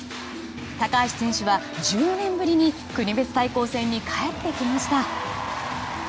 高橋選手は１０年ぶりに国別対抗戦に帰ってきました。